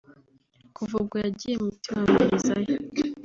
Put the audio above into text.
Kuva ubwo yagiye muti wa mperezayo